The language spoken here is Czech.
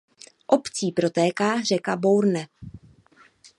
Obcí protéká řeka Bourne.